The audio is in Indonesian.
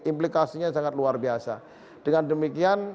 implikasinya sangat luar biasa dengan demikian